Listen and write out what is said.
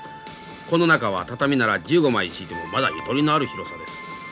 この中は畳なら１５枚敷いてもまだゆとりのある広さです。